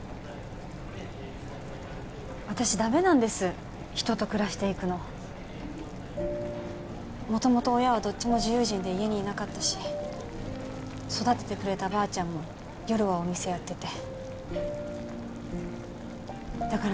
ダメなんです人と暮らしていくの元々親はどっちも自由人で家にいなかったし育ててくれたばあちゃんも夜はお店やっててだから